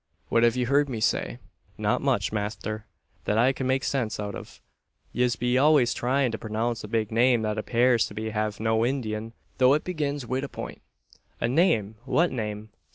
What have you heard me say?" "Not much, masther, that I cud make sinse out av. Yez be always tryin' to pronounce a big name that appares to have no indin', though it begins wid a point!" "A name! What name?"